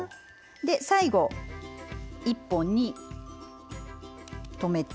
最後、１本に留めて。